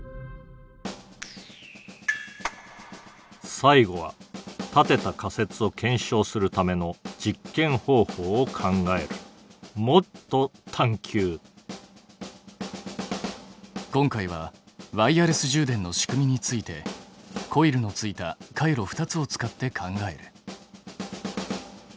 最後は立てた仮説を検証するための実験方法を考える今回はワイヤレス充電の仕組みについてコイルのついた回路２つを使って考える。